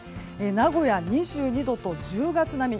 名古屋は２２度と１０月並み。